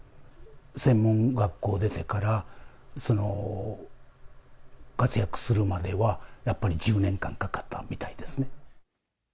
専門学校出てから、活躍するまでは、やっぱり１０年間かかったみたいですね。